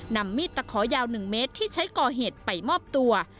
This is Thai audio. นำมีดตะขอยาว๑เมตรที่ใช้ก่อเหตุไปมอบตัว